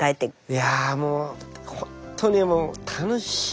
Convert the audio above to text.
いやもうほんとにもう楽しいロケでしたね。